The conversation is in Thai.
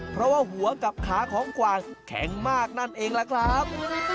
เพราะว่าหัวกับขาของกวางแข็งมากนั่นเองล่ะครับ